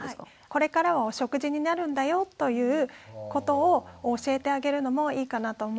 「これからはお食事になるんだよ」ということを教えてあげるのもいいかなと思います。